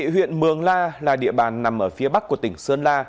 huyện mường la là địa bàn nằm ở phía bắc của tỉnh sơn la